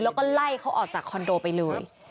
แล้วก็ไล่เขาออกจากคอนโดไปเลย